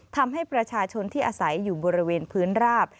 ทำให้ประชาชนที่อาศัยอยู่บริเวณพื้นราบ